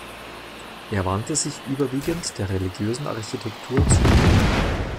Er wandte sich überwiegend der religiösen Architektur zu.